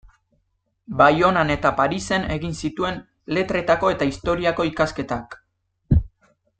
Baionan eta Parisen egin zituen letretako eta historiako ikasketak.